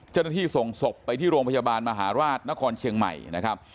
เจ้าหน้าที่ส่งศพไปที่โรงพยาบาลมหาราชนครเชียงใหม่นะครับ